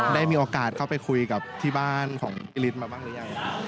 ได้มีโอกาสเข้าไปคุยกับที่บ้านของอิฤทธิมาบ้างหรือยัง